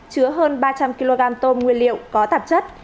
chứa hơn ba trăm linh kg tôm nguyên liệu có tạp chất